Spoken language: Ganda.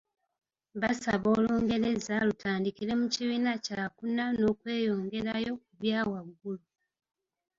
Baasaba Olungereza lutandikire mu kibiina kyakuna n’okweyongerayo ku byawagulu.